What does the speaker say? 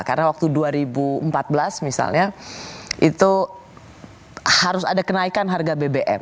karena waktu dua ribu empat belas misalnya itu harus ada kenaikan harga bbm